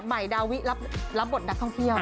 ใหม่ดาวิรับบทนักท่องเที่ยว